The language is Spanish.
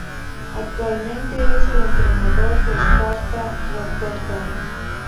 Actualmente es el entrenador del Sparta Rotterdam.